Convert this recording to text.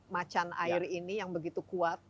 macan air ini yang begitu kuat